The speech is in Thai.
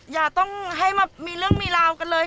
อย่าต้องให้มามีเรื่องมีราวกันเลย